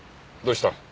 どうした？